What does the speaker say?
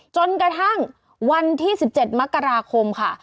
จนกระทั่งวันที่๑๗มกราคมค่ะ